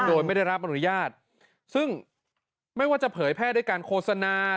โดยไม่ได้รับอนุญาตซึ่งไม่ว่าจะเผยแพร่ด้วยการโฆษณา